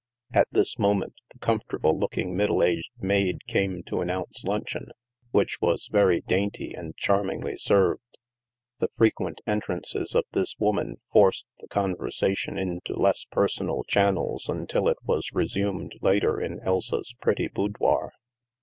At this moment, the comfortable looking middle aged maid came to announce luncheon, which was very dainty and charmingly served. The frequent entrances of this woman forced the conversation into less personal channels until it was restuned later in Elsa's pretty boudoir.